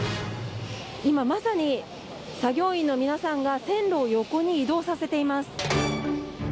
今まさに作業員の皆さんが線路を横に移動させています。